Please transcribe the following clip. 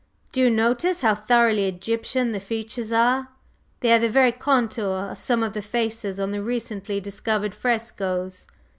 Do you notice how thoroughly Egyptian the features are? They are the very contour of some of the faces on the recently discovered frescoes."